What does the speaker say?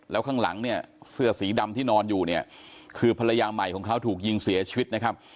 แล้วข้างหลังเนี่ยเสื้อสีดำที่นอนอยู่เนี่ยคือภรรยาใหม่ของเขาถูกยิงเสียชีวิตนะครับ